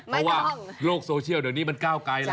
เพราะว่าโลกโซเชียลเดี๋ยวนี้มันก้าวไกลแล้ว